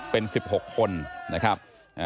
เป็น๑๖คนนะครับ